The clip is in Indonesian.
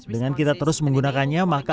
sebagian dari teknologi yang kita gunakan